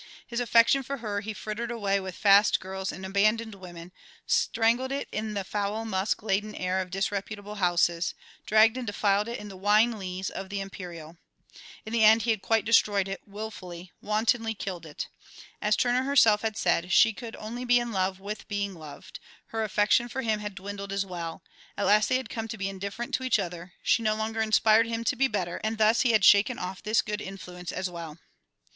His affection for her he frittered away with fast girls and abandoned women, strangled it in the foul musk laden air of disreputable houses, dragged and defiled it in the wine lees of the Imperial. In the end he had quite destroyed it, wilfully, wantonly killed it. As Turner herself had said, she could only be in love with being loved; her affection for him had dwindled as well; at last they had come to be indifferent to each other, she no longer inspired him to be better, and thus he had shaken off this good influence as well.